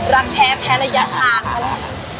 รักแท้แพลยะทาง